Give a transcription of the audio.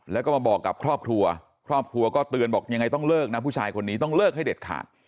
แล้วก็มาบอกกับครอบครัวครอบครัวก็เตือนบอกยังไงต้องเลิกนะผู้ชายคนนี้ต้องเลิกให้เด็ดขาด